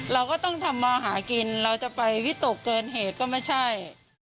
เราก็ต้องทำมาหากินเราจะไปวิตกเกินเหตุก็ไม่ใช่